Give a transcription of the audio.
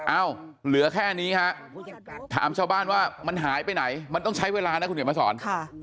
เหลือแค่นี้ฮะถามชาวบ้านว่ามันหายไปไหนมันต้องใช้เวลานะคุณเดี๋ยวมาสอน